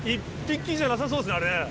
１匹じゃなさそうですあれね。